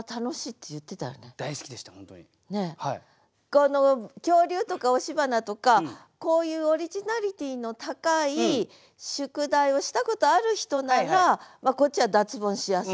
この「恐竜」とか「押し花」とかこういうオリジナリティーの高い宿題をしたことある人ならこっちは脱ボンしやすいと。